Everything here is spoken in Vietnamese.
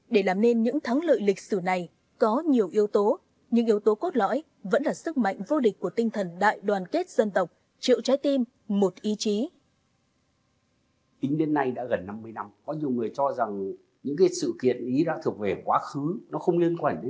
để làm nên những thắng lợi lịch sử này có nhiều yếu tố nhưng yếu tố cốt lõi vẫn là sức mạnh vô địch của tinh thần đại đoàn kết dân tộc triệu trái tim một ý chí